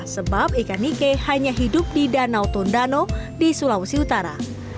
sebab ikan nike hanya hidup di danau tondano di sulawesi utara